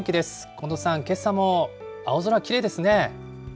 近藤さん、けさも青空きれいですね。